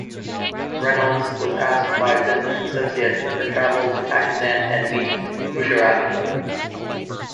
Reynolds was asked by business associates to travel to Pakistan and meet Musharraf.